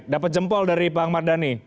dapat jempol dari bang mardhani